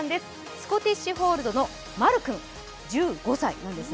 スコティッシュフォールドのまる君１５歳です。